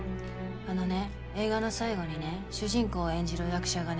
あのね映画の最後にね主人公を演じる役者がね